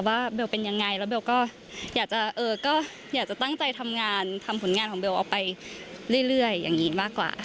เบลเป็นยังไงแล้วเบลก็อยากจะตั้งใจทำงานทำผลงานของเบลออกไปเรื่อยอย่างนี้มากกว่า